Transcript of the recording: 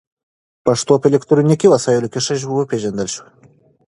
پښتو به په الکترونیکي وسایلو کې ښه وپېژندل شي.